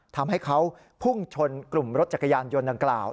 ทำให้เขาพุ่งชนกลุ่มรถจักรยานยนต์ดังกล่าว